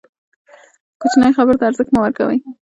کوچنۍ خبرو ته ارزښت مه ورکوئ!